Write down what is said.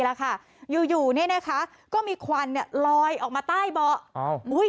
แล้วค่ะอยู่นี่นะคะก็มีควันเนี้ยลอยออกมาใต้บอก